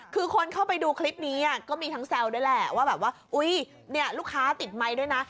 คือคนเข้าไปดูคลิปนี้ก็มีทั้งแซวด้วยแหละว่าแบบว่าอุ้ยเนี่ยลูกค้าติดไมค์ด้วยนะ